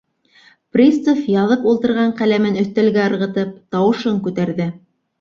Пристав яҙып ултырған ҡәләмен өҫтәлгә ырғытып, тауышын күтәрҙе: